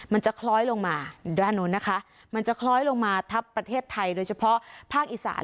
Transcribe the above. มันจะคล้อยลงมาด้านนู้นนะคะมันจะคล้อยลงมาทับประเทศไทยโดยเฉพาะภาคอีสาน